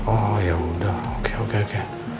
oh yaudah oke oke oke